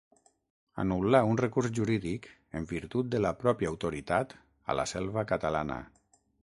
Anul·là un recurs jurídic en virtut de la pròpia autoritat a la Selva catalana.